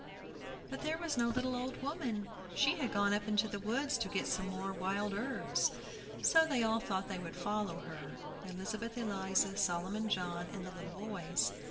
But there was no little old woman. She had gone up into the woods to get some more wild herbs, so they all thought they would follow her, Elizabeth Eliza, Solomon John, and the little boys.